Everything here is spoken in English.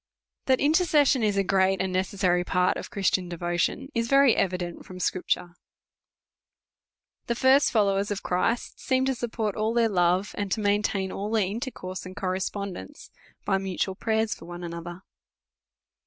THAT intercession is a great and necessary part of Christian devotion, is very evident from Scripture. The first followers of Christ seem to support all their love, and to maintain all their intercourse and correspondence, by mutual prayers for one another.